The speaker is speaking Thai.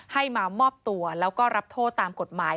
ให้มามอบตัวแล้วก็รับโทษตามกฎหมาย